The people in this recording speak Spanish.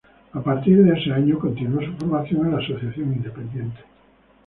A partir de ese año continuó su formación en la Asociación Independiente.